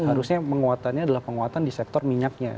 harusnya penguatannya adalah penguatan di sektor minyaknya